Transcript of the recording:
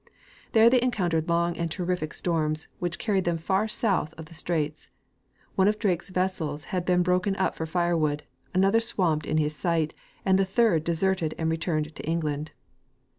There they encoun tered long and terrific storms, which carried them far south of the straits. One of Drake's vessels had been broken up for fire wood, another swamped in his sight, and the third deserted and returned to England.